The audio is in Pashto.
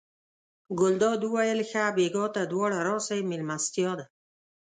ګلداد وویل ښه بېګا ته دواړه راسئ مېلمستیا ده.